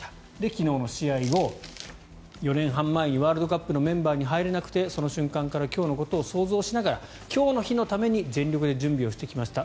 昨日の試合後４年半前にワールドカップのメンバーに入れなくてその瞬間から今日のことを想像しながら今日の日のために全力で準備をしてきました